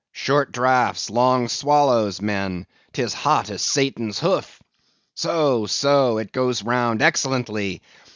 Short draughts—long swallows, men; 'tis hot as Satan's hoof. So, so; it goes round excellently.